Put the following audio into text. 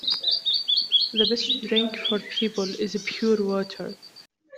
The best drink for people is pure water.